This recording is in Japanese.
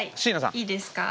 いいですか？